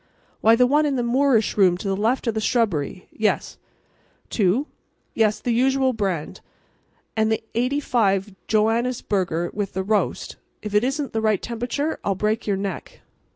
Why, the one in the Moorish room to the left of the shrubbery. … Yes; two. … Yes, the usual brand; and the '85 Johannisburger with the roast. If it isn't the right temperature I'll break your neck.